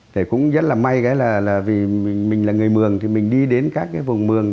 thì cũng rất là may cái là vì mình là người mường thì mình đi đến các cái vùng mường